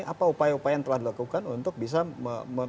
apa upaya upaya yang telah dilakukan untuk bisa